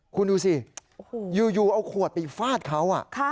คุณดูสิอยู่เอาขวดไปฟาดเขา